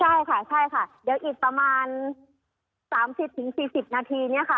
ใช่ค่ะเดี๋ยวอีกประมาณ๓๐ถึง๔๐นาทีนี้ค่ะ